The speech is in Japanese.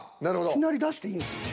いきなり出していいんですね。